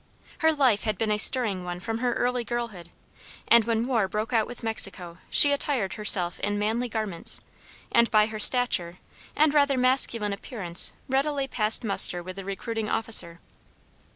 Her life had been a stirring one from her early girlhood, and, when war broke out with Mexico, she attired herself in manly garments, and by her stature and rather masculine appearance readily passed muster with the recruiting officer.